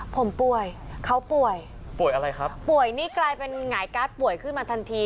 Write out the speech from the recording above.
ผมป่วยเขาป่วยป่วยอะไรครับป่วยนี่กลายเป็นหงายการ์ดป่วยขึ้นมาทันที